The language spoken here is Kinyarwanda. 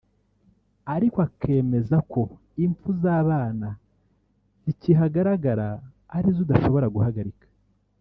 ariko akemeza ko impfu z’abana zikihagaragara ari izo udashobora guhagarika